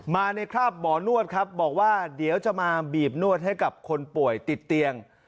มาในคราบหมอนวดครับบอกว่าเดี๋ยวจะมาบีบนวดให้กับคนป่วยติดเตียง